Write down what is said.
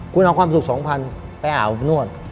คุณเอาความสุข๒๐๐ไปอาบอบนวด